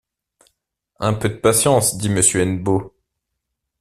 Un peu de patience, dit Monsieur Hennebeau.